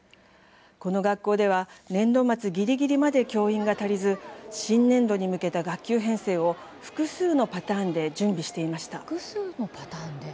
この学校では年度末ぎりぎりまで教員が足りず新年度に向けた学級編成を複数のパターンで準備していました。